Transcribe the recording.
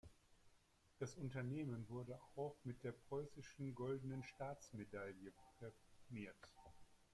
Das Unternehmen wurde auch mit der Preußischen Goldenen Staatsmedaille prämiert.